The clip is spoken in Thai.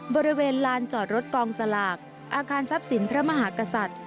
บริเวณลานจอดรถกองสลากอาคารทรัพย์สินพระมหากษัตริย์